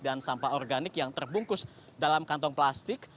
dan sampah organik yang terbungkus dalam kantong plastik